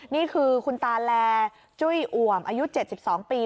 นี่คือคุณตาแลจุ้ยอ่วมอายุ๗๒ปี